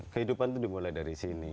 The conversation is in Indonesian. kehidupan itu dimulai dari sini